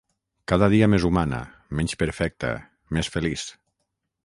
Cada dia més humana, menys perfecta, més feliç.